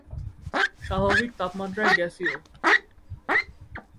স্বাভাবিক তাপমাত্রায় গ্যাসীয়।